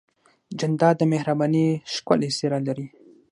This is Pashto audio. جانداد د مهربانۍ ښکلی څېرہ لري.